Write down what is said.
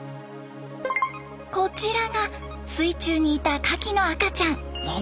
こちらが水中にいたカキの赤ちゃん。